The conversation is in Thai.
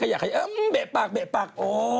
แบะปากแบะปาก